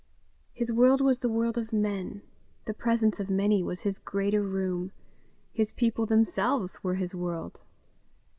His world was the world of men; the presence of many was his greater room; his people themselves were his world.